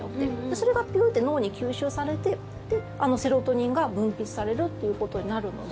それが脳に吸収されてセロトニンが分泌されるということになるので